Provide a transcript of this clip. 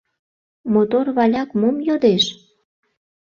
Мотор валяк мом йодеш?